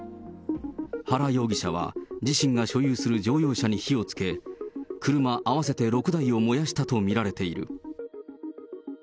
原容疑者は自身が所有する乗用車に火をつけ、車合わせて６台を燃やしたと見られている。